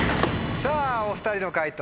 さぁお２人の解答